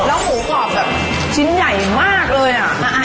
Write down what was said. แล้วหมูกรอบแบบชิ้นใหญ่มากเลยอ่ะ